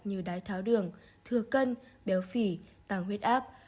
như đái tháo đường thừa cân béo phỉ tàng huyết áp